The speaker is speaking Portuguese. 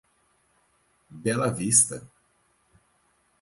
Bela Vista